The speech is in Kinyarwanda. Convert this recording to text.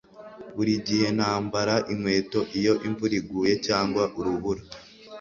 Buri gihe nambara inkweto iyo imvura iguye cyangwa urubura